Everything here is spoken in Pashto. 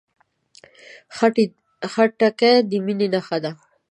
خټکی د مینې نښه ده.